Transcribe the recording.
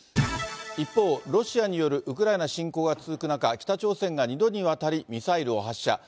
一方、ロシアによるウクライナ侵攻が続く中、北朝鮮が２度にわたり、ミサイルを発射。